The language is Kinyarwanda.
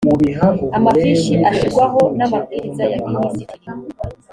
amafishi ashyirwaho n ‘amabwiriza ya minisitiri